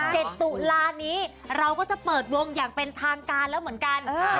ตุลานี้เราก็จะเปิดวงอย่างเป็นทางการแล้วเหมือนกัน